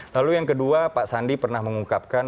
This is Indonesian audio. lalu yang kedua pak sandi pernah mengungkapkan